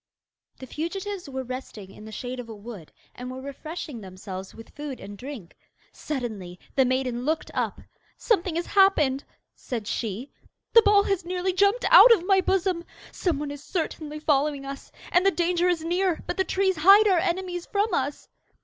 The fugitives were resting in the shade of a wood, and were refreshing themselves with food and drink. Suddenly the maiden looked up. 'Something has happened,' said she. 'The ball has nearly jumped out of my bosom! Some one is certainly following us, and the danger is near, but the trees hide our enemies from us.